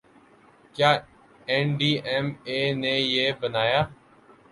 کیا N D M A نے یہ بنایا